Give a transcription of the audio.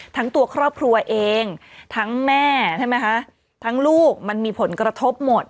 ทั้งตัวครอบครัวเองทั้งแม่ใช่ไหมคะทั้งลูกมันมีผลกระทบหมด